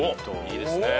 いいですね。